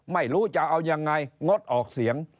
ไม่รู้จะเอายังไงงดออกเสียง